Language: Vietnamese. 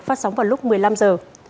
phát sóng vào lúc một mươi năm h